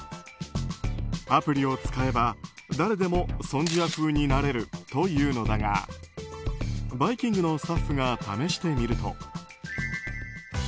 アプリを使えば、誰でもソン・ジア風になれるというのだが「バイキング」のスタッフが試してみると。